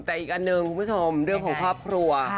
แต่อีกอันหนึ่งคุณผู้ชมเรื่องของครอบครัว